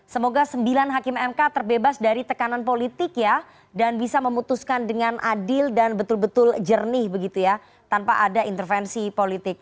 semoga sembilan hakim mk terbebas dari tekanan politik ya dan bisa memutuskan dengan adil dan betul betul jernih begitu ya tanpa ada intervensi politik